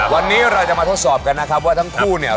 วันนี้เราจะมาทดสอบกันนะครับว่าทั้งคู่เนี่ย